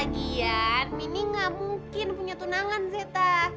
kajian mini gak mungkin punya tunangan zeta